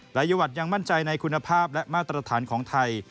จังหวัดยังมั่นใจในคุณภาพและมาตรฐานของไทย